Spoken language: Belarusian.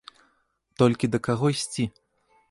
Толькі да каго ісці?